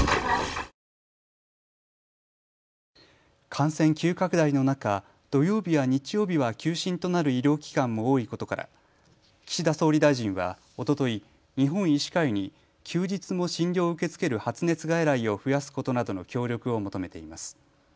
感染急拡大の中、土曜日や日曜日は休診となる医療機関も多いことから岸田総理大臣はおととい日本医師会に休日も診療を受け付ける発熱外来を増やすことなどの協力を求めています。